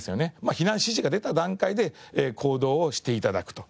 避難指示が出た段階で行動をして頂くと。